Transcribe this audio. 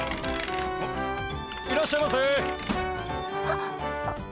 いらっしゃいませ！